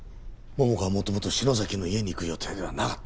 桃花は元々篠崎の家に行く予定ではなかった。